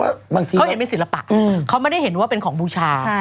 บางทีเขาเห็นเป็นศิลปะเขาไม่ได้เห็นว่าเป็นของบูชา